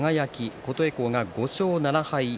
琴恵光が５勝７敗。